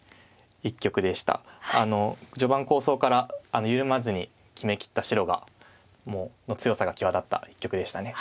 序盤構想から緩まずに決めきった白の強さが際立った一局でした。